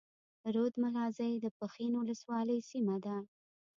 رود ملازۍ د پښين اولسوالۍ سيمه ده.